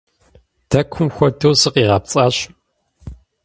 Дэкум хуэдэу сыкъигъэпцӀащ.